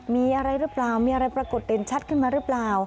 มีอะไรหรือเปล่ามีอะไรปรากฏเด่นชัดขึ้นมาหรือเปล่า